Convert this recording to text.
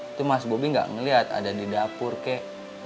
itu mas bobi gak ngeliat ada di dapur kek